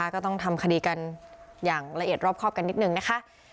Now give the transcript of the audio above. ก็ต้องทำคดีกันอย่างละเอียดรอบครอบกันนิดนึงนะคะ